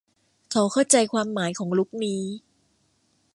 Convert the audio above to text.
เขาเข้าใจความหมายของลุคนี้